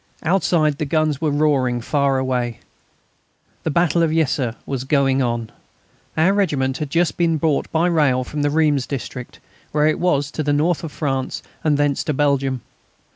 Outside the guns were roaring far away. The Battle of the Yser was going on. Our regiment had just been brought by rail from the Reims district, where it was, to the North of France, and thence to Belgium.